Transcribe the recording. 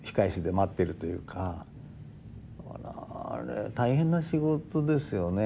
大変な仕事ですよね。